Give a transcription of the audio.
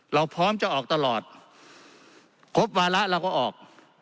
เราพร้อมจะออกตลอดครบวาระเราก็ออก